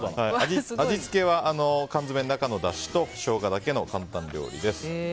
味付けは缶詰の中のだしとショウガだけの簡単料理です。